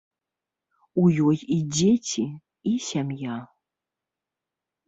У ёй і дзеці, і сям'я.